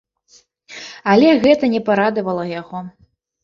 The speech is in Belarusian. Але гэта не парадавала яго.